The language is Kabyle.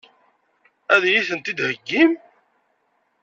Ad iyi-tent-id-theggim?